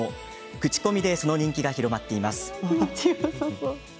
口コミでその人気が広まっています。